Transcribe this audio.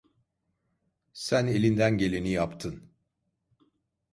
Sen elinden geleni yaptın.